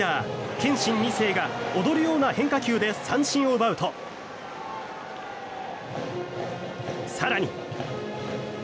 憲伸２世が踊るような変化球で三振を奪うと更に。